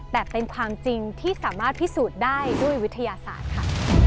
แต่เป็นความจริงที่สามารถพิสูจน์ได้ด้วยวิทยาศาสตร์ค่ะ